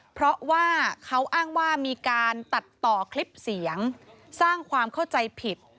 เพราะว่าเขาอ้างว่ามีการตัดต่อคลิปเสียงสร้างความเข้าใจผิด